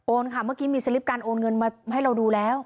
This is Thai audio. ค่ะเมื่อกี้มีสลิปการโอนเงินมาให้เราดูแล้ว